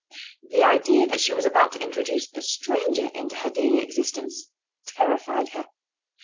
The idea that she was about to introduce a stranger into her daily existence terrified her.